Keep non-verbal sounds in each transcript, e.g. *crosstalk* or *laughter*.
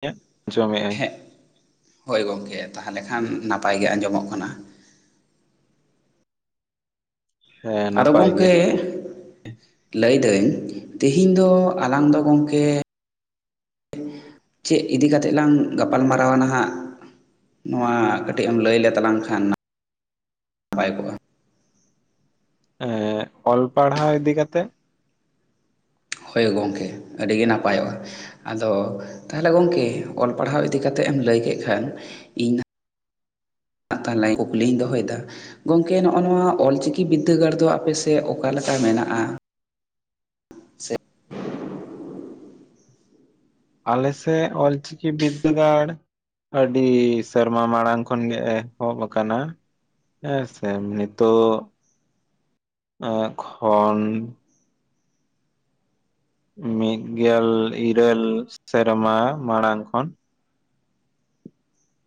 ᱤᱧᱟᱹᱜ ᱡᱚᱢᱮᱫ ᱟᱹᱧ᱾ ᱦᱮᱸ ᱦᱳᱭ ᱜᱚᱝᱠᱮ ᱛᱟᱦᱚᱞᱮ ᱠᱷᱟᱱ ᱱᱟᱯᱟᱭ ᱜᱮ ᱟᱸᱡᱚᱢᱚᱜ ᱠᱟᱱᱟ᱾ ᱦᱮᱸ ᱟᱫᱚ ᱱᱟᱯᱟᱭ ᱜᱮ ᱜᱚᱢᱠᱮ ᱞᱟᱹᱭᱫᱟᱹᱧ ᱛᱮᱦᱮᱧ ᱫᱚ ᱟᱞᱟᱝ ᱫᱚ ᱜᱚᱢᱠᱮ ᱪᱮᱫ ᱤᱫᱤ ᱠᱟᱛᱮᱫ ᱞᱟᱝ ᱜᱟᱯᱟᱞ ᱢᱟᱨᱟᱣᱟ ᱱᱟᱦᱟᱜ᱾ ᱱᱚᱣᱟ ᱠᱟᱹᱴᱤᱡ ᱮᱢ ᱞᱟᱹᱭ ᱞᱮ ᱛᱟᱞᱟᱝ ᱠᱷᱟᱱ ᱱᱟᱯᱟᱭ ᱠᱚᱜᱼᱟ᱾ ᱦᱮᱸ ᱚᱞ ᱯᱟᱲᱦᱟᱣ ᱤᱫᱤ ᱠᱟᱛᱮᱜ ᱦᱳᱭ ᱜᱚᱢᱠᱮ ᱟᱹᱰᱤᱜ ᱱᱟᱯᱟᱭᱚᱜᱼᱟ᱾ ᱟᱫᱚ ᱛᱟᱦᱚᱞᱮ ᱜᱚᱝᱠᱮ ᱚᱞ ᱯᱟᱲᱦᱟᱣ ᱤᱫᱤ ᱠᱟᱛᱮᱫ ᱮᱢ ᱞᱟᱹᱭ ᱠᱮᱫ ᱠᱷᱟᱱ, ᱤᱧ ᱛᱟᱦᱚᱞᱮ ᱠᱩᱠᱞᱤᱧ ᱫᱚᱦᱚᱭ ᱫᱟ᱾ ᱜᱚᱝᱠᱮ ᱱᱚᱜᱼᱚ ᱱᱚᱣᱟ ᱚᱞᱪᱤᱠᱤ ᱵᱤᱫᱽᱫᱟᱹᱜᱟᱲ ᱫᱚ ᱟᱯᱮ ᱥᱮᱫ ᱚᱠᱟᱞᱮᱠᱟ ᱢᱮᱱᱟᱜᱼᱟ? ᱥᱮ ᱟᱞᱮ ᱥᱮᱫ ᱚᱞᱪᱤᱠᱤ ᱵᱤᱫᱽᱫᱟᱹᱜᱟᱲ ᱟᱹᱰᱤ ᱥᱮᱨᱢᱟ ᱢᱟᱲᱟᱝ ᱠᱷᱚᱱ ᱜᱮ ᱮᱛᱚᱦᱚᱵ ᱠᱟᱱᱟ᱾ ᱦᱮᱸ ᱥᱮ ᱮᱢ ᱱᱤᱛᱚᱜ ᱠᱷᱚᱱ᱾ ᱢᱤᱫ ᱜᱮᱞ ᱤᱨᱟᱹᱞ ᱥᱮᱨᱢᱟ ᱢᱟᱲᱟᱝ ᱠᱷᱚᱱ᱾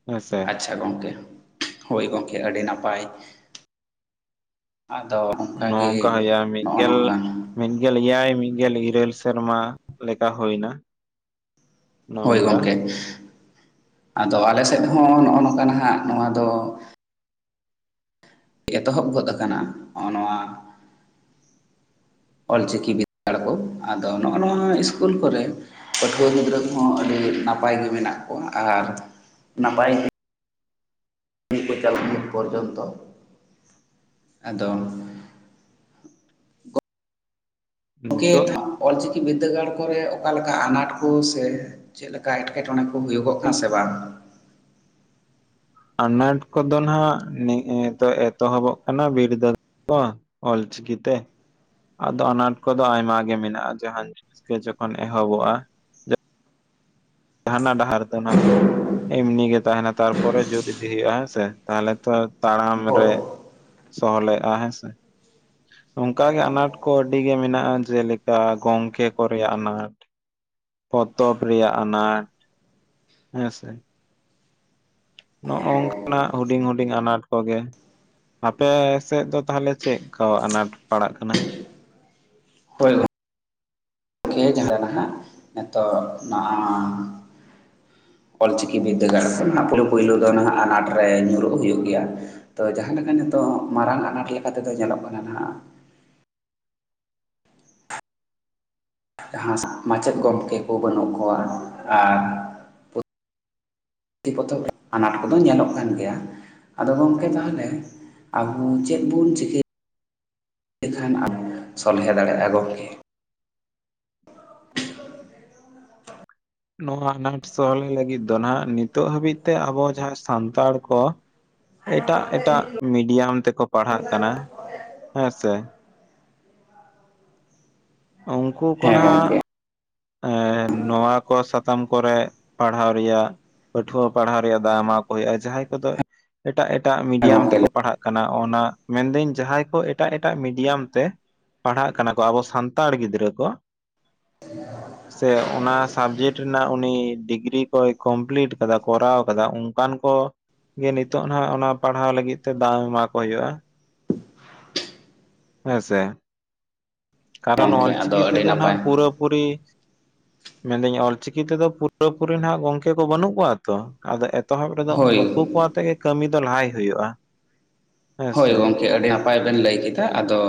ᱦᱮᱸᱥᱮ᱾ ᱟᱪᱪᱷᱟ ᱜᱚᱢᱠᱮ ᱦᱳᱭ ᱜᱚᱢᱠᱮ ᱟᱹᱰᱤ ᱱᱟᱯᱟᱭ᱾ ᱟᱫᱚ ᱚᱱᱠᱟᱜᱮ ᱱᱚᱝᱠᱟ ᱦᱩᱭᱩᱜ-ᱟ ᱢᱤᱫ ᱱᱚᱜᱼᱚ ᱜᱮᱞ ᱱᱚᱝ ᱠᱟᱱ ᱢᱤᱫᱜᱮᱞ ᱮᱭᱟᱭ ᱢᱤᱫᱜᱮᱞ ᱤᱨᱟᱹᱞ ᱥᱮᱨᱢᱟ ᱞᱮᱠᱟ ᱦᱩᱭ ᱮᱱᱟ᱾ ᱦᱳᱭ ᱜᱚᱢᱠᱮ ᱟᱫᱚ ᱟᱞᱮ ᱥᱮᱫ ᱦᱚᱸ ᱱᱚᱜᱼᱚ ᱱᱚᱝᱠᱟ ᱱᱟᱦᱟᱜ ᱱᱚᱣᱟ ᱫᱚ ᱮᱛᱚᱦᱚᱵ ᱜᱚᱫ ᱟᱠᱟᱱᱟ, ᱱᱚᱜᱼᱚ ᱱᱚᱣᱟ *inaudible* ᱚᱞᱪᱤᱠᱤ ᱵᱤᱫᱽᱫᱟᱲ ᱠᱚ ᱟᱫᱚ ᱱᱚᱜᱼᱚ ᱱᱚᱣᱟ ᱤᱥᱠᱩᱞ ᱠᱚᱨᱮ, ᱯᱟᱹᱴᱷᱩᱣᱟᱹ ᱜᱤᱫᱽᱨᱟᱹ ᱠᱚᱦᱚᱸ ᱟᱹᱰᱤ ᱱᱟᱯᱟᱭ ᱜᱮ ᱢᱮᱱᱟᱜ ᱠᱚᱣᱟ, ᱟᱨ ᱱᱟᱯᱟᱭ ᱛᱮ ᱵᱤᱨ ᱠᱚ ᱪᱟᱞᱟᱜ ᱯᱚᱨᱡᱚᱱᱛᱚ ᱾ ᱟᱫᱚ ᱜᱚᱢᱠᱮ ᱱᱤᱛᱚᱜ ᱚᱞᱪᱤᱠᱤ ᱵᱤᱫᱽᱫᱟᱹᱜᱟᱲ ᱠᱚᱨᱮ ᱚᱠᱟ ᱞᱮᱠᱟ ᱟᱱᱟᱴ ᱠᱚ ᱥᱮ? ᱪᱮᱫ ᱞᱮᱠᱟ ᱮᱴᱠᱮᱴᱚᱬᱮ ᱠᱚ ᱦᱩᱭᱩᱜᱚᱜ ᱠᱟᱱᱟ ᱥᱮ ᱵᱟᱝ? ᱟᱱᱟᱴ ᱠᱚᱫᱚ ᱱᱟᱜ ᱱᱤᱛᱚ ᱮᱛᱚᱦᱚᱵᱚᱜ ᱠᱟᱱᱟ ᱵᱤᱨᱫᱟᱹ ᱠᱚ ᱚᱞ ᱪᱤᱠᱤ ᱛᱮ ᱟᱫᱚ ᱟᱱᱟᱴ ᱠᱚᱫᱚ ᱟᱭᱢᱟ ᱜᱮ ᱢᱮᱱᱟᱜᱼᱟ, ᱡᱟᱦᱟ ᱡᱤᱱᱤᱥ ᱜᱮ ᱡᱚᱠᱷᱚᱱ ᱮᱦᱚᱵᱚᱜᱼᱟ᱾ ᱦᱟᱱᱟ ᱰᱟᱦᱟᱨ ᱛᱚ ᱱᱟᱜ ᱮᱢᱱᱤ ᱜᱮ ᱛᱟᱦᱮᱸᱱᱟ ᱛᱟᱨᱯᱚᱨᱮ ᱡᱩᱛ ᱤᱫᱤ ᱦᱩᱭᱩᱜᱼᱟ, ᱦᱮᱸᱥᱮ ᱛᱟᱦᱚᱞᱮ ᱛᱚ ᱛᱟᱲᱟᱢ ᱦᱳᱭ ᱨᱮ ᱥᱚᱞᱦᱮᱜᱼᱟ ᱦᱮᱸ ᱥᱮ ᱾ ᱚᱱᱠᱟᱜᱮ ᱟᱱᱟᱴ ᱠᱚ ᱟᱹᱰᱤ ᱜᱮ ᱢᱮᱱᱟᱜᱼᱟ ᱡᱮᱞᱮᱠᱟ ᱜᱚᱝᱠᱮ ᱠᱚᱨᱮᱭᱟ ᱟᱱᱟᱴ ᱾ ᱯᱚᱛᱚᱵ ᱨᱮᱭᱟᱜ ᱟᱱᱟᱴ ᱦᱮᱸᱥᱮ ᱦᱮᱸ ᱱᱚᱜᱼᱚᱝᱠᱟᱱᱟᱜ ᱦᱩᱰᱤᱧ ᱦᱩᱰᱤᱧ ᱟᱱᱟᱴ ᱠᱚᱜᱮ᱾ ᱟᱯᱮ ᱥᱮᱫ ᱫᱚ ᱛᱟᱦᱚᱞᱮ ᱪᱮᱫᱠᱟ ᱟᱱᱟᱴ ᱯᱟᱲᱟᱜ ᱠᱟᱱᱟ? ᱦᱳᱭ ᱠᱤᱭᱮ ᱡᱟᱸᱦᱟ ᱱᱟᱦᱟᱜ ᱱᱤᱛᱚᱜ ᱱᱟ ᱚᱞ ᱪᱤᱠᱤ ᱵᱤᱫᱽᱫᱟᱹᱜᱟᱲ ᱯᱩᱭᱞᱳ ᱯᱩᱭᱞᱳ ᱫᱚ ᱱᱟᱜ ᱟᱱᱟᱴ ᱨᱮ ᱧᱩᱨᱩᱜ ᱦᱩᱭᱩᱜ ᱜᱮᱭᱟ᱾ ᱛᱚ ᱡᱟᱦᱟᱸ ᱞᱮᱠᱟ ᱱᱤᱛᱚᱜ ᱢᱟᱨᱟᱝ ᱟᱱᱟᱴ ᱞᱮᱠᱟ ᱛᱮᱫᱚ ᱧᱮᱞᱚᱜ ᱠᱟᱱᱟ ᱱᱟᱜ᱾ ᱡᱟᱦᱟᱸ ᱢᱟᱪᱮᱫ ᱜᱚᱢᱠᱮ ᱠᱚ ᱵᱟᱹᱱᱩᱜ ᱠᱚᱣᱟ ᱟᱨ ᱯᱩᱛᱷᱤ, ᱯᱚᱛᱚᱵ, ᱟᱱᱟᱴ ᱠᱚᱫᱚ ᱧᱮᱞᱚᱜ ᱠᱟᱱ ᱜᱮᱭᱟ, ᱟᱫᱚ ᱜᱚᱢᱠᱮ ᱛᱟᱦᱚᱞᱮ ᱟᱵᱩ ᱪᱮᱫ ᱵᱚᱱ ᱪᱤᱠᱟᱹ ᱞᱮᱠᱷᱟᱱ ᱟᱵᱩ ᱥᱚᱞᱦᱮ ᱫᱟᱲᱮᱭᱟᱜᱼᱟ ᱜᱚᱢᱠᱮ? ᱱᱚᱣᱟ ᱟᱱᱟᱴ ᱥᱚᱦᱞᱮ ᱞᱟᱹᱜᱤᱫ ᱫᱚ, ᱱᱟᱦᱜ ᱱᱤᱛᱚᱜ ᱦᱟᱹᱵᱤᱡ ᱛᱮ ᱟᱵᱚ ᱡᱟᱦᱟᱸ ᱥᱟᱱᱛᱟᱲ ᱠᱚ ᱮᱴᱟᱜ ᱮᱴᱟᱜ ᱢᱤᱰᱤᱭᱟᱢ ᱛᱮᱠᱚ ᱯᱟᱲᱦᱟᱜ ᱠᱟᱱᱟ ᱦᱮᱸ ᱥᱮ᱾ ᱩᱱᱠᱩ ᱠᱚ ᱦᱮᱸ ᱱᱟᱜ ᱜᱚᱢᱠᱮ ᱮ ᱱᱚᱣᱟ ᱠᱚ ᱥᱟᱛᱟᱢ ᱠᱚᱨᱮ ᱯᱟᱲᱦᱟᱣ ᱨᱮᱭᱟᱜ ᱾ ᱯᱟᱹᱴᱷᱩᱣᱟᱹ ᱯᱟᱲᱦᱟᱣ ᱨᱮᱭᱟᱜ ᱫᱟᱣ ᱮᱢᱟ ᱠᱚ ᱦᱩᱭᱩᱜᱼᱟ ᱡᱟᱦᱟᱸᱭ ᱠᱚᱫᱚ ᱮᱴᱟᱜ ᱮᱴᱟᱜ ᱦᱮᱸ ᱢᱤᱰᱤᱭᱟᱢ ᱜᱚᱢᱠᱮ ᱛᱮᱠᱚ ᱯᱟᱲᱦᱟᱜ ᱠᱟᱱᱟ, ᱚᱱᱟ ᱢᱮᱱᱫᱟᱹᱧ ᱡᱟᱦᱟᱸᱭ ᱠᱚ ᱮᱴᱟᱜ ᱮᱴᱟᱜ ᱢᱤᱰᱤᱭᱟᱢ ᱛᱮ ᱯᱟᱲᱦᱟᱜ ᱠᱟᱱᱟ ᱠᱚ ᱟᱵᱚ ᱥᱟᱱᱛᱟᱲ ᱜᱤᱫᱽᱨᱟᱹ ᱠᱚ᱾ *unintelligible* ᱥᱮ ᱚᱱᱟ ᱥᱟᱵᱡᱮᱠᱴ ᱨᱮᱱᱟᱜ ᱩᱱᱤ ᱰᱤᱜᱽᱨᱤ ᱠᱚᱭ ᱠᱚᱢᱯᱤᱞᱤᱴ ᱠᱟᱫᱟ ᱠᱚᱨᱟᱣ ᱠᱟᱫᱟ ᱚᱱᱠᱟᱱ ᱠᱚ᱾ ᱜᱮ ᱱᱤᱛᱚᱜ ᱱᱟᱜ ᱚᱱᱟ ᱯᱟᱲᱦᱟᱣ ᱞᱟᱹᱜᱤᱫ ᱛᱮ ᱫᱟᱣ ᱮᱢᱟ ᱠᱚ ᱦᱩᱭᱩᱜᱼᱟ᱾ ᱦᱮᱸᱥᱮ ᱠᱟᱨᱚᱱ ᱜᱚᱢᱠᱮ ᱟᱫᱚ ᱚᱞᱪᱤᱠᱤ ᱟᱹᱰᱤ ᱛᱮᱫᱚ ᱱᱟᱜ ᱱᱟᱯᱟᱭ ᱯᱩᱨᱟᱹᱯᱩᱨᱤ ᱢᱮᱱᱫᱟᱹᱧ ᱚᱞᱪᱤᱠᱤ ᱛᱮᱫᱚ ᱯᱩᱨᱟᱹᱯᱩᱨᱤ ᱱᱟᱜ ᱜᱚᱝᱠᱮ ᱠᱚ ᱵᱟᱹᱱᱩᱜ ᱠᱚᱣᱟ ᱾ ᱟᱫᱚ ᱮᱛᱚᱦᱚᱵ ᱨᱮᱫᱚ ᱱᱩᱠᱩ ᱦᱳᱭ ᱠᱚ ᱟᱛᱮ ᱜᱮ ᱠᱟᱹᱢᱤ ᱫᱚ ᱞᱟᱦᱟᱭ ᱦᱩᱭᱩᱜᱼᱟ᱾ ᱦᱳᱭ ᱦᱮᱸᱥᱮ ᱜᱚᱢᱠᱮ ᱟᱹᱰᱤ ᱱᱟᱯᱟᱭ ᱵᱮᱱ ᱞᱟᱹᱭ ᱠᱮᱫᱟ, ᱟᱫᱚ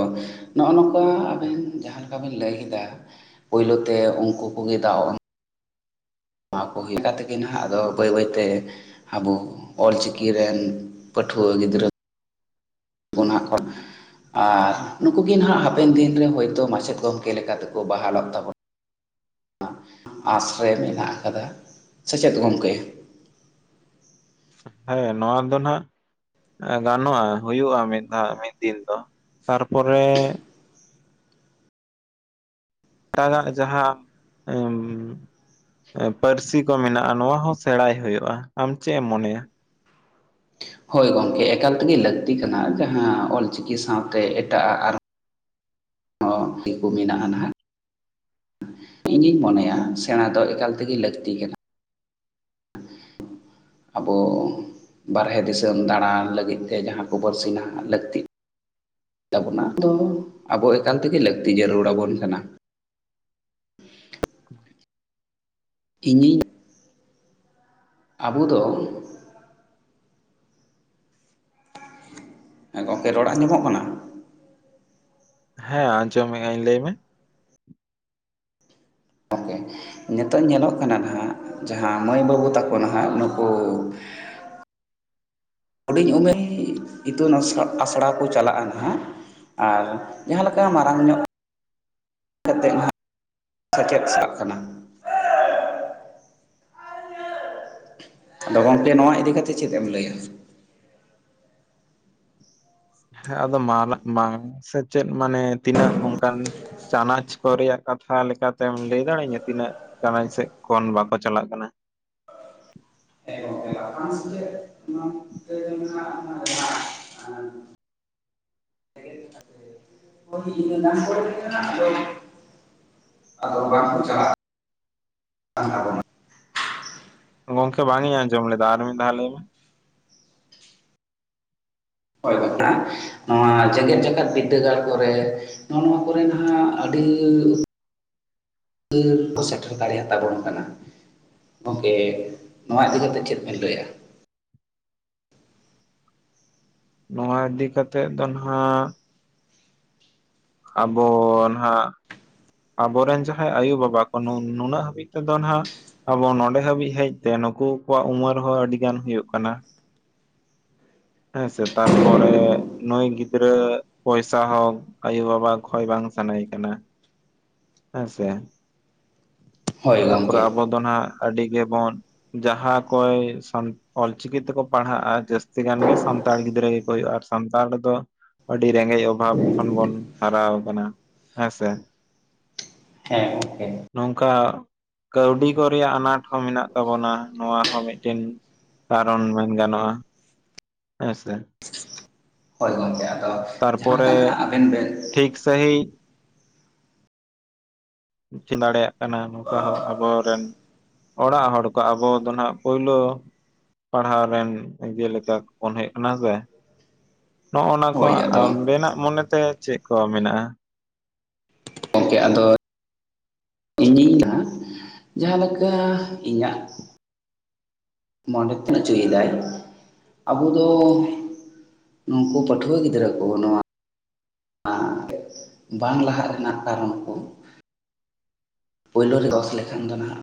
ᱱᱚᱜᱼᱚ ᱱᱚᱝᱠᱟ ᱟᱵᱮᱱ ᱡᱟᱦᱟᱸ ᱞᱮᱠᱟ᱾ ᱵᱤᱱ ᱞᱟᱹᱭ ᱠᱮᱫᱟ ᱾ ᱯᱩᱭᱞᱳ ᱛᱮ ᱩᱱᱠᱩ ᱠᱚᱜᱮ ᱫᱟᱣ᱾ ᱱᱚᱣᱟ ᱠᱚ ᱦᱩᱭ ᱠᱟᱛᱮ ᱜᱮ ᱱᱟᱜ ᱟᱫᱚ ᱵᱟᱹᱭ ᱵᱟᱹᱭᱛᱮ ᱟᱵᱚ ᱚᱞᱪᱤᱠᱤ ᱨᱮᱱ ᱯᱟᱹᱴᱷᱩᱣᱟᱹ ᱜᱤᱫᱽᱨᱟᱹ᱾ ᱚᱱᱟ ᱠᱷᱚᱱ᱾ ᱟᱨ ᱱᱩᱠᱩ ᱜᱮ ᱱᱟᱦᱟᱜ ᱦᱟᱯᱮᱱ ᱫᱤᱱ ᱨᱮ ᱦᱳᱭᱛᱳ ᱢᱟᱪᱮᱫ ᱜᱚᱢᱠᱮ ᱞᱮᱠᱟᱛᱮᱠᱚ ᱵᱟᱦᱟᱞᱚᱜ ᱛᱟᱵᱚᱱᱟ᱾ ᱟᱥ ᱨᱮ ᱢᱮᱱᱟᱜ ᱟᱠᱟᱫᱟ ᱥᱮᱪᱮᱫ ᱜᱚᱝᱠᱮ ᱦᱮᱸ ᱱᱚᱣᱟ ᱫᱚ ᱱᱟᱜ ᱜᱟᱱᱚᱜᱼᱟ, ᱦᱩᱭᱩᱜᱼᱟ, ᱢᱤᱫ ᱫᱷᱟᱣ ᱢᱤᱫ ᱫᱤᱱ ᱫᱚ ᱾ ᱛᱟᱨᱯᱚᱨᱮ᱾ ᱮᱴᱟᱜᱟᱜ ᱡᱟᱦᱟᱸ ᱩᱸ᱾ ᱯᱟᱹᱨᱥᱤ ᱠᱚ ᱢᱮᱱᱟᱜᱼᱟ ᱱᱚᱣᱟ ᱦᱚᱸ ᱥᱮᱬᱟᱭ ᱦᱩᱭᱩᱜᱼᱟ, ᱟᱢ ᱪᱮᱜ ᱮᱢ ᱢᱚᱱᱮᱭᱟ? ᱦᱳᱭ ᱜᱚᱢᱠᱮ ᱮᱠᱟᱞ ᱛᱮᱜᱮ ᱞᱟᱹᱠᱛᱤ ᱠᱟᱱᱟ, ᱡᱟᱦᱟᱸ ᱚᱞᱪᱤᱠᱤ ᱥᱟᱶᱛᱮ ᱮᱴᱟᱜᱟᱜ ᱟᱨ *inaudible* ᱦᱚᱸ ᱛᱤ ᱠᱩ ᱢᱮᱱᱟᱜᱼᱟ ᱱᱟᱜ᱾ ᱤᱧᱤᱧ ᱢᱚᱱᱮᱭᱟ ᱥᱮᱸᱬᱟ ᱫᱚ ᱮᱠᱟᱞ ᱛᱮᱜᱮ ᱞᱟᱹᱠᱛᱤ ᱠᱟᱱᱟ᱾ ᱟᱵᱚ ᱵᱟᱨᱦᱮ ᱫᱤᱥᱟᱹᱢ ᱫᱟᱬᱟᱱ ᱞᱟᱹᱜᱤᱫᱛᱮ ᱡᱟᱦᱟᱸᱠᱚ ᱵᱚᱨᱥᱤᱱᱟ ᱞᱟᱹᱠᱛᱤ ᱛᱟᱵᱱᱟᱟ ᱫᱚ ᱟᱵᱚ ᱮᱠᱟᱞ ᱛᱮᱜᱮ ᱞᱟᱹᱠᱛᱤ ᱡᱟᱹᱨᱩᱲ ᱟᱵᱚᱱ ᱠᱟᱱᱟ᱾ ᱤᱧᱤᱧ ᱟᱵᱚ ᱫᱚ ᱦᱮᱸ ᱜᱚᱢᱠᱮ ᱨᱚᱲ ᱟᱸᱡᱚᱢᱚᱜ ᱠᱟᱱᱟ? ᱦᱮᱸ ᱟᱸᱡᱚᱢ ᱢᱮᱜ ᱟ. ᱧ ᱞᱟᱹᱭ ᱢᱮ᱾ ᱱᱤᱛᱚᱜ ᱧᱮᱞᱚᱜ ᱠᱟᱱᱟ ᱱᱟᱦᱟᱜ, ᱡᱟᱦᱟᱸ ᱢᱟᱹᱭ ᱵᱟᱹᱵᱩ ᱛᱟᱠᱚ ᱱᱟᱦᱟᱜ ᱱᱩᱠᱩ ᱦᱩᱰᱤᱧ ᱩᱢᱮᱨ ᱤᱛᱩᱱ ᱟᱥ ᱟᱥᱲᱟ ᱠᱚ ᱪᱟᱞᱟᱜᱼᱟ ᱱᱟᱦᱟᱜ᱾ ᱟᱨ ᱡᱟᱦᱟᱸᱮ ᱞᱮᱠᱟ ᱢᱟᱨᱟᱝ ᱧᱚᱜ *unintelligible* ᱛᱚ ᱥᱮᱪᱮᱫ ᱥᱟᱵ ᱠᱟᱱᱟ᱾ ᱟᱫᱚ ᱜᱚᱢᱠᱮ ᱱᱚᱣᱟ ᱤᱫᱤ ᱠᱟᱛᱮᱫ ᱪᱮᱫ ᱮᱢ ᱞᱟᱹᱭᱟ? ᱦᱮᱸ ᱟᱫᱚ ᱢᱟᱞᱟ ᱢᱟ ᱥᱮᱪᱮᱫ ᱢᱟᱱᱮ ᱛᱤᱱᱟᱹᱜ ᱚᱱᱠᱟᱱ ᱪᱟᱱᱟᱪ ᱠᱚ ᱨᱮᱭᱟᱜ ᱠᱟᱛᱷᱟ ᱞᱮᱠᱟ ᱛᱮᱢ ᱞᱟᱹᱭ ᱫᱟᱲᱮᱟᱹᱧᱟᱹ ᱛᱤᱱᱟᱹᱜ? ᱪᱟᱱᱟᱪ ᱥᱮᱫ ᱠᱷᱚᱱ ᱵᱟᱠᱚ ᱪᱟᱞᱟᱜ ᱠᱟᱱᱟ? *unintelligible* *unintelligible* *unintelligible* ᱟᱫᱚ ᱵᱟᱝᱠᱚ ᱪᱟᱞᱟᱜ ᱠᱟᱱᱟ *inaudible* ᱜᱚᱢᱠᱮ ᱵᱟᱝ ᱤᱧ ᱟᱸᱡᱚᱢ ᱞᱮᱫᱟ ᱟᱨ ᱢᱤᱫ ᱫᱷᱟᱣ ᱞᱟᱹᱭ ᱢᱮ᱾ ᱦᱳᱭ ᱜᱚᱴᱟ ᱱᱚᱣᱟ ᱡᱮᱜᱮᱛ ᱡᱟᱠᱟᱛ ᱵᱤᱫᱽᱫᱟᱹᱜᱟᱲ ᱠᱚᱨᱮ ᱱᱚᱜᱼᱚ ᱱᱚᱣᱟ ᱠᱚᱨᱮ ᱱᱟᱜ ᱟᱹᱰᱤ ᱠᱚ ᱥᱮᱴᱮᱨ ᱫᱟᱲᱮᱭᱟ ᱛᱟᱵᱚᱱ ᱠᱟᱱᱟ᱾ ᱜᱚᱢᱠᱮ ᱱᱚᱣᱟ ᱤᱫᱤ ᱠᱟᱛᱮ ᱪᱮᱫ ᱵᱮᱱ ᱞᱟᱹᱭᱟ? ᱱᱚᱣᱟ ᱤᱫᱤ ᱠᱟ ᱠᱟᱛᱮᱫ ᱫᱚ ᱱᱟᱱᱟᱜ, ᱟᱵᱚ ᱱᱟᱦᱟᱜ ᱟᱵᱚᱨᱮᱱ ᱡᱟᱦᱟᱸᱭ ᱟᱭᱳᱼᱵᱟᱵᱟ ᱠᱚ ᱱᱩᱱᱟᱹᱜ ᱦᱟᱹᱵᱤᱡ ᱛᱮᱫᱚ ᱱᱟᱦᱟᱜ ᱟᱵᱚ ᱱᱚᱰᱮ ᱦᱟᱹᱵᱤᱡ ᱦᱮᱡ ᱛᱮ ᱱᱩᱠᱩ ᱠᱚᱣᱟᱜ ᱩᱢᱮᱨ ᱦᱚᱸ ᱟᱹᱰᱤ ᱜᱟᱱ ᱦᱩᱭᱩᱜ ᱠᱟᱱᱟ᱾ ᱦᱮᱸᱥᱮ ᱛᱟᱨᱯᱚᱨᱮ ᱱᱩᱭ ᱜᱤᱫᱽᱨᱟᱹ ᱯᱚᱭᱥᱟ ᱦᱳᱠ ᱟᱭᱳ ᱵᱟᱵᱟ ᱠᱷᱚᱡ ᱵᱟᱝ ᱥᱟᱱᱟᱭᱮ ᱠᱟᱱᱟ ᱦᱮᱸ ᱥᱮ ᱦᱳᱭ ᱛᱟᱨᱯᱚᱨᱮ ᱜᱚᱢᱠᱮ ᱟᱵᱚ ᱫᱚ ᱱᱟᱜ ᱟᱹᱰᱤ ᱜᱮᱵᱚᱱ ᱡᱟᱦᱟᱸ ᱠᱚᱭ ᱚᱞᱪᱤᱠᱤ ᱛᱮᱠᱚ ᱯᱟᱲᱦᱟᱜᱼᱟ ᱡᱟᱹᱥᱛᱤ ᱜᱟᱱᱜᱮ ᱥᱟᱱᱛᱟᱲ ᱜᱤᱫᱽᱨᱟᱹ ᱜᱮ ᱠᱚ ᱦᱩᱭᱩᱜᱼᱟ ᱟᱨ ᱥᱟᱱᱛᱟᱲ ᱫᱚ ᱟᱹᱰᱤ ᱨᱮᱸᱜᱮᱡ ᱚᱵᱷᱟᱵ ᱠᱷᱚᱱ ᱵᱚᱱ ᱦᱟᱨᱟᱣ ᱟᱠᱟᱱᱟ ᱦᱮᱸᱥᱮ᱾ ᱦᱮᱸ ᱠᱮ ᱱᱚᱝᱠᱟ ᱠᱟᱹᱣᱰᱤ ᱠᱚ ᱨᱮᱭᱟᱜ ᱟᱱᱟᱴ ᱦᱚᱸ ᱢᱮᱱᱟᱜ ᱛᱟᱵᱚᱱᱟ ᱱᱚᱣᱟ ᱦᱚᱸ ᱢᱤᱫᱴᱮᱱ ᱠᱟᱨᱚᱱ ᱢᱮᱱ ᱜᱟᱱᱚᱜᱼᱟ ᱦᱮᱸ ᱥᱮ᱾ ᱦᱳᱭ ᱜᱚᱢᱠᱮ ᱟᱫᱚ ᱡᱟᱦᱟᱸ ᱞᱮᱠᱟ ᱛᱟᱨᱯᱚᱨᱮ ᱱᱟᱦᱟᱜ ᱟᱵᱮᱱ ᱵᱮᱱ ᱴᱷᱤᱠ ᱥᱟᱦᱤᱡ ᱪᱤᱱ ᱫᱟᱲᱮᱭᱟᱜ ᱠᱟᱱᱟ ᱱᱚᱝᱠᱟ ᱦᱚᱸ ᱟᱵᱚᱨᱮᱱ ᱚᱲᱟᱜ ᱦᱚᱲ ᱠᱚ ᱟᱵᱚ ᱫᱚ ᱱᱟᱜ ᱯᱳᱭᱞᱳ ᱯᱟᱲᱦᱟᱣ ᱨᱮᱱ ᱡᱮᱞᱮᱠᱟ ᱵᱚᱱ ᱦᱮᱡ ᱟᱠᱟᱱᱟ ᱥᱮ ᱱᱚᱜ-ᱚ ᱱᱟ ᱠᱚ ᱦᱳᱭ ᱟᱫᱚ ᱟᱵᱮᱱᱟᱜ ᱢᱚᱱᱮᱛᱮ ᱪᱮᱫ ᱠᱚ ᱢᱮᱱᱟᱜᱼᱟ ᱜᱚᱢᱠᱮ ᱟᱫᱚ ᱤᱧᱤᱧ ᱡᱟᱦᱟᱸ ᱞᱮᱠᱟ ᱤᱧᱟᱹᱜ *unintelligible* ᱱᱩᱠᱩ ᱯᱟᱹᱴᱷᱩᱣᱟᱹ ᱜᱤᱫᱽᱨᱟᱹ ᱠᱚ ᱱᱚᱣᱟ ᱵᱟᱝ ᱞᱟᱦᱟᱜ ᱨᱮᱱᱟᱜ ᱠᱟᱨᱚᱱ ᱠᱚ᱾ ᱯᱳᱭᱞᱳ ᱨᱮ ᱫᱚᱥ ᱞᱮᱠᱷᱟᱱ ᱫᱚ ᱱᱟᱦᱟᱜ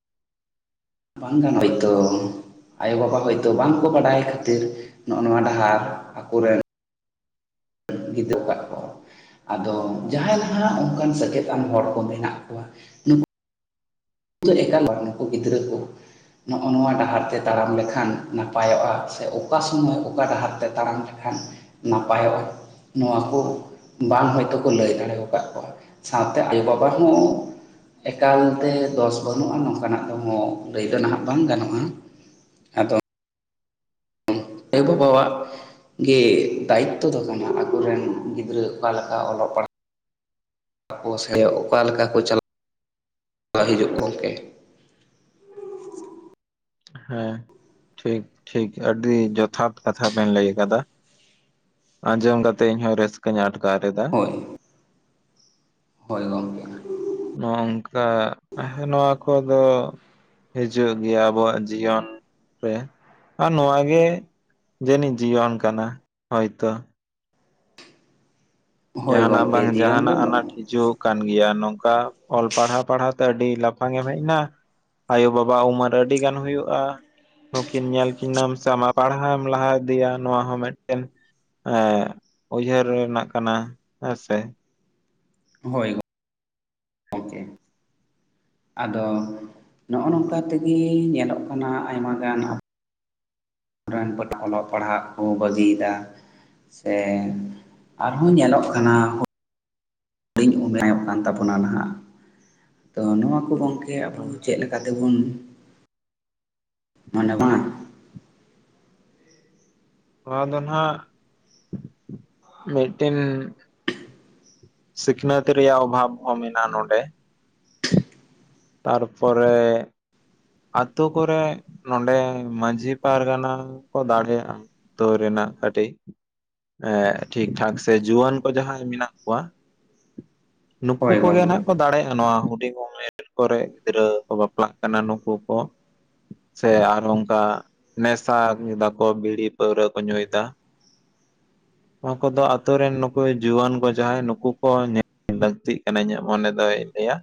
*unintelligible* ᱟᱭᱳ ᱵᱟᱵᱟ ᱦᱚᱭᱛᱚ ᱵᱟᱝ ᱠᱚ ᱵᱟᱰᱟᱭ ᱠᱷᱟᱹᱛᱤᱨ ᱱᱚᱜᱼ ᱱᱚᱣᱟ ᱰᱟᱦᱟᱨ ᱟᱠᱚᱨᱮᱱ ᱜᱤᱫᱽᱨᱟᱹ ᱟᱠᱟᱫ ᱠᱚ ᱟᱫᱚ ᱡᱟᱦᱟᱸᱭ ᱡᱟᱦᱟᱸ ᱚᱱᱠᱟᱱ ᱥᱮᱪᱮᱫ ᱟᱱ ᱦᱚᱲ ᱠᱚ ᱢᱮᱱᱟᱜ ᱠᱚᱣᱟ᱾ ᱩᱱᱠᱩ ᱫᱚ ᱮᱠᱟᱞ ᱵᱟᱝ ᱩᱱᱠᱩ *inaudible* ᱜᱤᱫᱽᱨᱟᱹ ᱠᱚ ᱱᱚᱜᱼᱚ ᱱᱚᱣᱟ ᱰᱟᱦᱟᱨ ᱛᱮ ᱛᱟᱲᱟᱢ ᱞᱮᱠᱷᱟᱱ ᱱᱟᱯᱟᱭᱚᱜᱼᱟ ᱥᱮ ᱚᱠᱟ ᱥᱩᱢᱚᱭ ᱚᱠᱟ ᱰᱟᱦᱟᱨ ᱛᱮ ᱛᱟᱲᱟᱢ ᱞᱮᱠᱷᱟᱱ ᱱᱟᱯᱟᱭᱚᱜᱼᱟ ᱱᱚᱣᱟ ᱠᱚ ᱵᱟᱝ ᱦᱚᱭᱛᱳ ᱠᱚ ᱞᱟᱹᱭ ᱫᱟᱲᱮ ᱟᱠᱟᱫ ᱠᱚᱣᱟ ᱥᱟᱶᱛᱮ ᱟᱭᱳ ᱵᱟᱵᱟ ᱦᱚᱸ ᱮᱠᱟᱞᱛᱮ ᱫᱚᱥ ᱵᱟᱹᱱᱩᱜᱼᱟ ᱱᱚᱝᱠᱟᱱᱟᱜ ᱫᱚ ᱞᱟᱹᱭ ᱫᱚ ᱱᱟᱦᱟᱜ ᱵᱟᱝ ᱜᱟᱱᱚᱜᱼᱟ ᱟᱫᱚ ᱮᱵᱚ ᱵᱟᱵᱟ *inaudible* ᱜᱮ ᱫᱟᱭᱤᱛ ᱛᱚ ᱫᱚ ᱠᱟᱱᱟ ᱟᱠᱚᱨᱮᱱ ᱜᱤᱫᱽᱨᱟᱹ ᱚᱠᱟᱞ ᱞᱮᱠᱟ ᱚᱞᱚᱜ ᱯᱟᱲᱦᱟᱜ ᱟᱠᱚ ᱥᱮ ᱚᱠᱟ ᱞᱮᱠᱟ ᱠᱚ ᱪᱟᱞᱟᱜ *inaudible* ᱜᱚᱢᱠᱮ ᱦᱮᱸ ᱴᱷᱤᱠ ᱴᱷᱤᱠ ᱟᱹᱰᱤ ᱡᱚᱛᱷᱟᱛ ᱠᱟᱛᱷᱟ ᱵᱮᱱ ᱞᱟᱹᱭ ᱟᱠᱟᱫᱟ ᱟᱸᱡᱚᱢ ᱠᱟᱛᱮ ᱤᱧᱦᱚᱸ ᱨᱟᱹᱥᱠᱟᱹᱧ ᱟᱴᱠᱟᱨ ᱮᱫᱟ ᱦᱳᱭ ᱦᱳᱭ ᱜᱚᱝᱠᱮ ᱱᱚᱝᱠᱟ ᱦᱚ ᱱᱚᱣᱟ ᱠᱚᱫᱚ ᱦᱤᱡᱩᱜ ᱜᱮᱭᱟ ᱟᱵᱚᱣᱟᱜ ᱡᱤᱭᱚᱱ ᱨᱮ ᱟᱨ ᱱᱚᱣᱟ ᱜᱮ ᱡᱮᱱᱤᱡ ᱡᱤᱭᱚᱱ ᱠᱟᱱᱟ ᱦᱳᱭᱛᱚ ᱦᱳᱭ ᱡᱟᱦᱱᱟᱜ ᱜᱚᱢᱠᱮ ᱵᱟᱝ ᱡᱤᱭᱚᱱ ᱫᱚ ᱡᱟᱦᱱᱟᱜ ᱟᱱᱟᱴ ᱦᱤᱡᱩᱜ ᱠᱟᱱ ᱜᱮᱭᱟ ᱱᱚᱝᱠᱟ ᱚᱞ ᱯᱟᱲᱦᱟᱣ ᱯᱟᱲᱦᱟᱣ ᱛᱮ ᱟᱹᱰᱤ ᱞᱟᱯᱷᱟᱝ ᱮᱢ ᱦᱮᱡ ᱮᱱᱟ ᱟᱭᱳᱼᱵᱟᱵᱟᱣᱟᱜ ᱩᱢᱮᱨ ᱟᱹᱰᱤ ᱜᱟᱱ ᱦᱩᱭᱩᱜᱼᱟᱹ ᱱᱩᱠᱤᱱ ᱧᱮᱞ ᱠᱤᱱᱟᱹᱢ ᱥᱮ ᱟᱢᱟᱜ ᱯᱟᱲᱦᱟᱣ ᱮᱢ ᱞᱟᱦᱟ ᱤᱫᱤᱭᱟ ᱱᱚᱣᱟ ᱦᱚᱸ ᱢᱤᱫᱴᱮᱱ ᱮ ᱩᱭᱦᱟᱹᱨ ᱨᱮᱱᱟᱜ ᱠᱟᱱᱟ ᱦᱮᱸᱥᱮ ᱦᱭ ᱜᱚᱝᱠᱮ ᱟᱫᱚ ᱱᱚᱜᱼᱚ ᱱᱚᱝᱠᱟ ᱛᱮᱜᱮ ᱧᱮᱞᱚᱜ ᱠᱟᱱᱟ ᱟᱭᱢᱟ ᱜᱟᱱ ᱨᱮᱱ *inaudible* ᱚᱞᱚᱜ ᱯᱟᱲᱦᱟᱜ ᱠᱚ ᱵᱟᱹᱜᱤᱭᱮᱫᱟ ᱥᱮ ᱟᱨᱦᱚᱸ ᱧᱮᱞᱚᱜ ᱠᱟᱱᱟ ᱦᱩ ᱞᱤᱧ *inaudible* ᱠᱟᱱ ᱛᱟᱵᱚᱱᱟ ᱱᱟᱦᱟᱜ ᱛᱚ ᱱᱚᱣᱟ ᱠᱚ ᱜᱚᱝᱠᱮ ᱟᱵᱚ ᱱᱚᱣᱟ ᱪᱮᱫ ᱞᱮᱠᱟ ᱠᱟᱛᱮ ᱵᱚᱱ ᱱᱚᱰᱮ ᱵᱟᱝ ᱱᱚᱣᱟ ᱫᱚ ᱱᱟᱦᱟᱜ ᱢᱤᱫᱴᱤᱱ ᱥᱤᱠᱱᱟᱹᱛ ᱨᱮᱭᱟᱜ ᱵᱷᱟᱵᱽ ᱦᱚᱸ ᱢᱮᱱᱟᱜᱼᱧ ᱱᱚᱸᱰᱮ ᱛᱟᱨ ᱯᱚᱨᱮ ᱟᱛᱳ ᱠᱚᱨᱮ ᱱᱚᱸᱰᱮ ᱢᱟᱺᱡᱷᱤ ᱯᱟᱨᱜᱟᱱᱟ ᱠᱚ ᱫᱟᱲᱮᱭᱟᱜᱼᱟ᱾ ᱫᱚ *inaudible* ᱨᱮᱱᱟᱜ ᱠᱟᱹᱴᱤᱡ ᱮᱸᱜ ᱴᱷᱤᱠ ᱴᱷᱟᱠ ᱥᱮ ᱡᱩᱣᱟᱹᱱ ᱠᱚ ᱡᱟᱸᱦᱟᱭ ᱢᱮᱱᱟᱜ ᱠᱚᱣᱟ ᱱᱩᱠᱩ ᱦᱳᱭ ᱠᱚᱜᱮ ᱜᱚᱢᱠᱮ ᱱᱟᱜ ᱠᱚ ᱫᱟᱲᱮᱭᱟᱜᱼᱟ ᱱᱚᱣᱟ ᱦᱩᱰᱤᱧ ᱩᱢᱮᱨ ᱠᱚᱨᱮ ᱜᱤᱫᱽᱨᱟᱹ ᱠᱚ ᱵᱟᱯᱞᱟᱜ ᱠᱟᱱᱟ ᱩᱱᱠᱩ ᱠᱚ ᱥᱮ ᱟᱨ ᱚᱱᱠᱟ ᱱᱮᱥᱟᱭ ᱫᱟᱠᱚ ᱵᱤᱲᱤ ᱯᱟᱹᱣᱨᱟᱹ ᱠᱚ ᱧᱩᱭᱮᱫᱟ ᱱᱚᱣᱟᱠᱩᱫᱚ ᱟᱛᱩᱨ ᱨᱮᱱ ᱱᱩᱠᱩ ᱡᱩᱣᱟᱹᱱ ᱠᱚ ᱡᱟᱦᱟᱸᱭ ᱱᱩᱠᱩ ᱠᱚ ᱧᱮᱞ ᱞᱟᱹᱠᱛᱤᱜ ᱠᱟᱱᱟ ᱤᱧᱟᱹᱜ ᱢᱚᱱᱮ ᱫᱚᱭᱧ ᱞᱟᱹᱭᱟ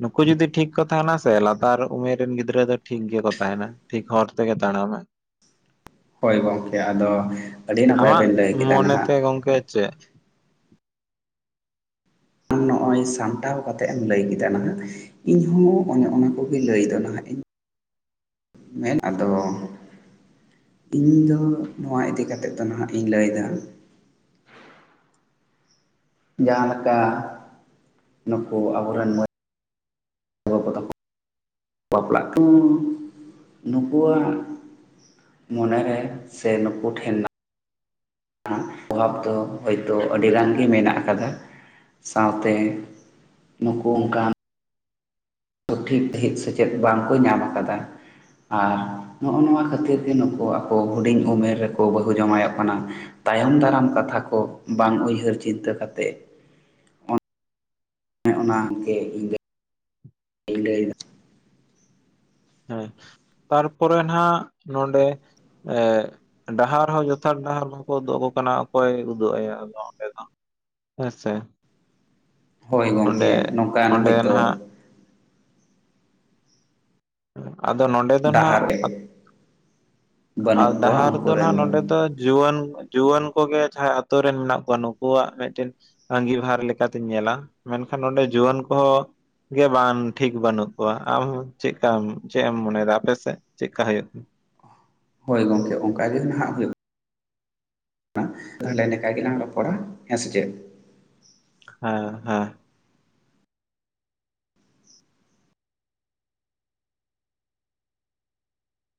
ᱱᱩᱠᱩ ᱡᱩᱫᱤ ᱴᱷᱤᱠ ᱠᱚ ᱛᱟᱦᱮᱱᱟ ᱥᱮ ᱞᱟᱛᱟᱨ ᱩᱢᱮᱨ ᱨᱮᱱ ᱜᱤᱫᱽᱨᱟᱹ ᱫᱚ ᱴᱷᱤᱠ ᱜᱮᱠᱚ ᱛᱟᱦᱮᱱᱟ ᱴᱷᱤᱠ ᱦᱚᱲᱚᱨ ᱛᱮᱜᱮ ᱛᱟᱲᱟᱢᱟ ᱦᱳᱭ ᱜᱚᱢᱠᱮ ᱟᱫᱚ ᱟᱹᱰᱤ ᱱᱟᱯᱟᱭ ᱟᱢᱟᱜ ᱵᱮᱱ ᱞᱟᱹᱭ ᱠᱮᱫᱟ ᱱᱟᱦᱟᱜ ᱢᱚᱱᱮᱛᱮ ᱜᱚᱝᱠᱮ ᱪᱮᱫ ᱟᱢ ᱱᱚᱜᱼᱚᱭ ᱥᱟᱢᱴᱟᱣ ᱠᱟᱛᱮᱜ ᱮᱢ ᱞᱟᱹᱭ ᱠᱮᱫᱟ ᱱᱟᱦᱟᱜ ᱤᱧ ᱦᱚᱸ ᱚᱱ ᱚᱱᱟ ᱠᱚᱜᱮ ᱞᱟᱹᱭ ᱫᱚ ᱱᱟᱦᱟᱜ ᱤᱧ ᱢᱮᱱ ᱟᱫᱚ ᱤᱧ ᱫᱚ ᱱᱚᱣᱟ ᱤᱫᱤ ᱠᱟᱛᱮᱫ ᱫᱚ ᱱᱟᱦᱟᱜ ᱤᱧ ᱞᱟᱹᱭ ᱮᱫᱟ ᱡᱟᱦᱟᱸ ᱞᱮᱠᱟ ᱱᱩᱠᱩ ᱟᱵᱚᱨᱮᱱ ᱢᱟᱹᱭ *inaudible* ᱵᱟᱯᱞᱟᱜ *inaudible* ᱠᱚᱦᱚᱸ ᱱᱩᱠᱩᱣᱟᱜ ᱢᱚᱱᱮ ᱨᱮ ᱥᱮ ᱱᱩᱠᱩ ᱴᱷᱮᱱ ᱚᱵᱷᱟᱵᱽ ᱫᱚ ᱦᱳᱭᱛᱳ ᱟᱹᱰᱤ ᱜᱟᱱ ᱜᱮ ᱢᱮᱱᱟᱜ ᱟᱠᱟᱫᱟ᱾ ᱥᱟᱶᱛᱮ ᱱᱩᱠᱩ ᱚᱱᱠᱟᱱ ᱥᱚᱴᱷᱤᱠ ᱦᱮᱡ ᱥᱮᱪᱮᱫ ᱵᱟᱝᱠᱚ ᱧᱟᱢ ᱟᱠᱟᱫᱟ ᱟᱨ ᱱᱚᱜ-ᱚ ᱱᱚᱣᱟ ᱠᱷᱟᱹᱛᱤᱨ ᱜᱮ ᱱᱩᱠᱩ ᱟᱠᱚ ᱦᱩᱰᱤᱧ ᱩᱢᱮᱨ ᱨᱮᱠᱚ ᱵᱟᱹᱦᱩ ᱡᱟᱶᱟᱭᱚᱜ ᱠᱟᱱᱟ ᱛᱟᱭᱚᱢ ᱫᱟᱨᱟᱢ ᱠᱟᱛᱷᱟ ᱠᱚ ᱵᱟᱝ ᱩᱭᱦᱟᱹᱨ ᱪᱤᱱᱛᱟᱹ ᱠᱟᱛᱮᱫ ᱦᱮ ᱚᱱᱟ ᱜᱮ ᱤᱧᱫᱚ *unintelligible* ᱞᱟᱹᱭᱫᱟ ᱦᱮᱸ ᱛᱟᱨᱯᱚᱨᱮ ᱱᱟᱜ ᱱᱚᱰᱮ ᱮ ᱰᱟᱦᱟᱨ ᱦᱚᱸ ᱡᱚᱛᱷᱟᱛ ᱰᱟᱦᱟᱨ ᱦᱚᱸᱠᱚ ᱩᱫᱩᱜ ᱟᱠᱚ ᱠᱟᱱᱟ ᱚᱠᱚᱭ ᱩᱫᱩᱜ ᱟᱭᱟ ᱚᱸᱰᱮ ᱫᱚ ᱦᱮᱸᱥᱮ ᱦᱳᱭ ᱜᱚᱢᱠᱮ ᱚᱸᱰᱮ ᱱᱚᱝᱠᱟᱱ ᱚᱸᱰᱮ ᱱᱟᱦᱱᱟᱜ ᱦᱚᱭᱛᱳ ᱟᱫᱚ ᱱᱚᱰᱮ ᱫᱚ ᱱᱟᱜ ᱰᱟᱦᱟᱨ ᱨᱮ ᱟᱨ ᱵᱟᱹᱱᱩᱜ ᱠᱚᱣᱟ ᱰᱟᱦᱟᱨ ᱩᱱᱠᱩ ᱫᱚ ᱨᱮᱱ ᱱᱟᱦᱟᱜ ᱱᱚᱰᱮ ᱫᱚ ᱡᱩᱣᱟᱹᱱ ᱡᱩᱣᱟᱹᱱ ᱠᱚᱜᱮ ᱡᱟᱦᱟᱸᱭ ᱟᱛᱩᱨ ᱨᱮᱱ ᱢᱮᱱᱟᱜ ᱠᱚᱣᱟ ᱱᱩᱠᱩᱣᱟᱜ ᱢᱤᱫᱴᱮᱱ ᱟᱸᱜᱤᱵᱷᱟᱨᱞᱮᱠᱟᱛᱤᱧ ᱧᱮᱞᱟ ᱢᱮᱱᱠᱷᱟᱱ ᱱᱚᱸᱰᱮ ᱡᱩᱣᱟᱹᱱ ᱠᱚᱦᱚᱸ ᱜᱮ ᱵᱟᱝ ᱴᱷᱤᱠ ᱵᱟᱹᱱᱩᱜ ᱠᱚᱣᱟ ᱟᱢ ᱪᱮᱫ ᱪᱢ ᱪᱮᱫ ᱮᱢ ᱢᱚᱱᱮ ᱮᱫᱟ ᱟᱯᱮ ᱥᱮᱫ ᱪᱮᱫᱠᱟ ᱦᱩᱭᱩᱜ ᱦᱳᱭ ᱜᱚᱢᱠᱮ ᱚᱱᱠᱟ ᱜᱮ ᱱᱟᱦᱟᱜ ᱦᱩᱭᱩᱜ ᱠᱟᱱᱟ ᱦᱟᱸ ᱞᱮᱠᱟ ᱜᱮᱞᱟᱝ ᱨᱚᱯᱚᱲᱟ ᱦᱮᱸ ᱥᱮ ᱪᱮᱫ ᱦᱮᱸ ᱦᱮᱸ